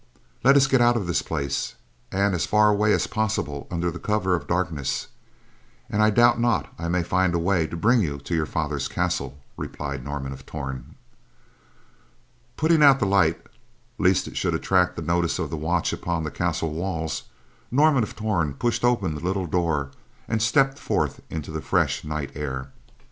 "Let us get out of this place, and as far away as possible under the cover of darkness, and I doubt not I may find a way to bring you to your father's castle," replied Norman of Torn. Putting out the light, lest it should attract the notice of the watch upon the castle walls, Norman of Torn pushed open the little door and stepped forth into the fresh night air.